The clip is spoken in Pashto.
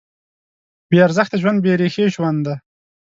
بېارزښته ژوند بېریښې ژوند دی.